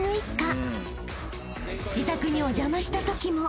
［自宅にお邪魔したときも］